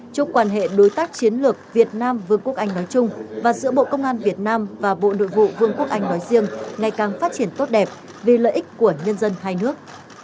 chúc quan hệ đối tác chiến lược việt nam vương quốc anh nói chung và giữa bộ công an việt nam và bộ nội vụ vương quốc anh nói riêng ngày càng phát triển tốt đẹp vì lợi ích của nhân dân hai nước